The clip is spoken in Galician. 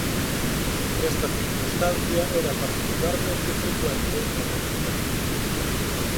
Esta circunstancia era particularmente frecuente no recitativo.